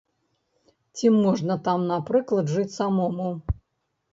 Ці можна там, напрыклад, жыць самому?